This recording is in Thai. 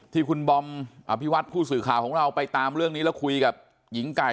ที่คุณบอมอภิวัตผู้สื่อข่าวของเราไปตามเรื่องนี้แล้วคุยกับหญิงไก่